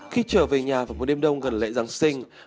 khi trở về nhà vào một đêm đông gần lễ giáng sinh